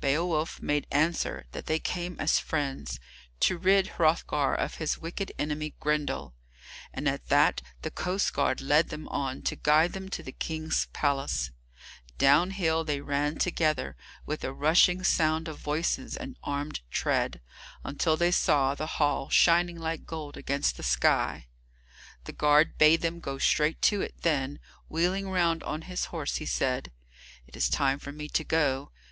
Beowulf made answer that they came as friends, to rid Hrothgar of his wicked enemy Grendel, and at that the coastguard led them on to guide them to the King's palace. Downhill they ran together, with a rushing sound of voices and armed tread, until they saw the hall shining like gold against the sky. The guard bade them go straight to it, then, wheeling round on his horse, he said, "It is time for me to go.